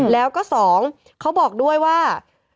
แล้วก็๒เขาบอกด้วยว่า